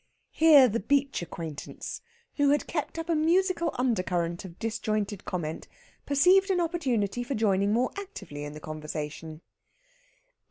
Here the beach acquaintance, who had kept up a musical undercurrent of disjointed comment, perceived an opportunity for joining more actively in the conversation.